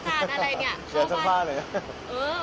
ก็คือยากจะดูแลช่วยคุณแม่พี่โดม